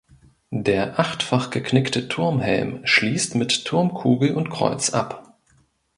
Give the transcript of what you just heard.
Der achtfach geknickte Turmhelm schließt mit Turmkugel und Kreuz ab.